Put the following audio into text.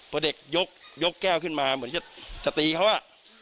พอเด็กยกแก้วขึ้นมาเหมือนจะตีเขาอ่ะ